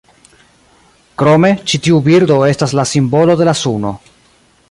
Krome, ĉi tiu birdo estas la simbolo de la suno.